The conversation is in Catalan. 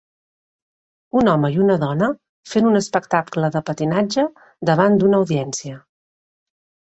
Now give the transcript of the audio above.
Un home i una dona fent un espectable de patinatge, davant d"una audiència.